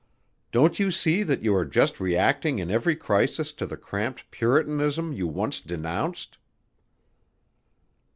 Don't you see that you are just reacting in every crisis to the cramped puritanism you once denounced?"